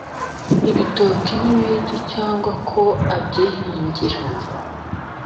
ibitoki n’ibindi cyane ko abyihingira